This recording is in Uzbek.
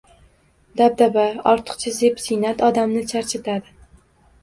Dabdaba, ortiqcha zeb-ziynat odamni charchatadi.